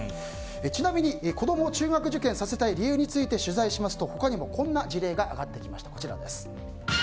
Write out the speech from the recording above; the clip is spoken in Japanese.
ちなみに子供を中学受験させたい理由について取材しますと、他にもこんな事例が挙がってきました。